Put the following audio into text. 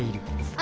あ